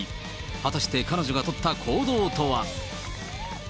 果たして彼女が取った行動とは。